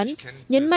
nhấn mạnh tầm nhìn